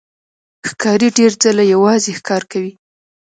ښکاري ډېر ځله یوازې ښکار کوي.